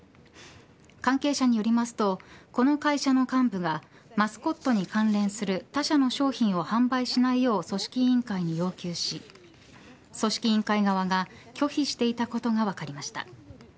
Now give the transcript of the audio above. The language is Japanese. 関係者によりますとこの会社の幹部がマスコットに関連する他社の商品を販売しないよう組織委員会に要求し委員会側が、拒否していたことが分かりました。